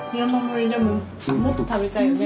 でももっと食べたいよね。